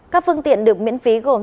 các phương tiện được miễn phí gồm